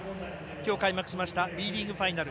きょう、開幕しましたＢリーグファイナル。